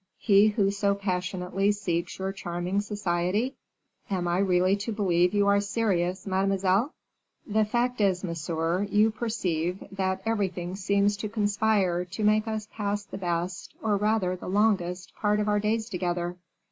he who so passionately seeks your charming society! Am I really to believe you are serious, mademoiselle?" "The fact is, monsieur, you perceive, that everything seems to conspire to make us pass the best, or rather the longest, part of our days together.